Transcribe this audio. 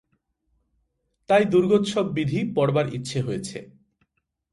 তাই দুর্গোৎসব-বিধি পড়বার ইচ্ছে হয়েছে।